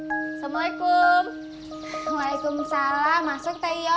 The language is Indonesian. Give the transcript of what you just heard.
assalamualaikum waalaikumsalam masuk teh yo